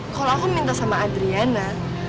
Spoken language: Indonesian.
kalau aku minta sama adriana